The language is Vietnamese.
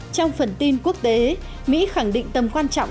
trong phần tin quốc tế mỹ khẳng định tầm quan trọng